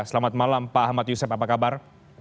selamat malam pak ahmad yusef apa kabar